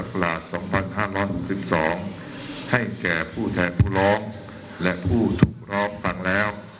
๒๕๖๒ให้แก่ผู้แทนผู้ร้องและผู้ถูกร้องฟังแล้ว